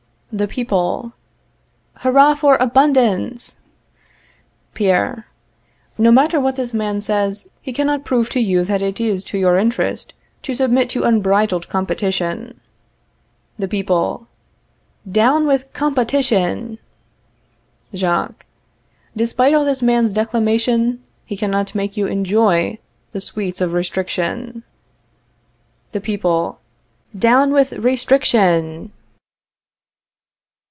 The People. Hurrah for ABUNDANCE! Pierre. No matter what this man says, he cannot prove to you that it is to your interest to submit to unbridled competition. The People. Down with COMPETITION! Jacques. Despite all this man's declamation, he cannot make you enjoy the sweets of restriction. The People. Down with RESTRICTION!